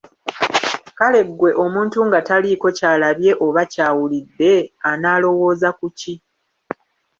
Kale ggwe omuntu nga taliiko ky'alabye oba ky'awulidde, anaalowooza ku ki?